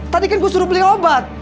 tadi kan gue suruh beli obat